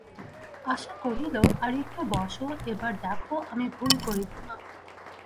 আশা কহিল, আর একটু বোসো, এবার দেখো, আমি ভুল করিব না।